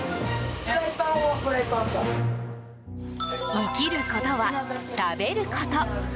生きることは食べること。